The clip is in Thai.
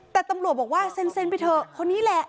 แต่ตำรวจบอกว่าเซ็นไปเถอะคนนี้แหละ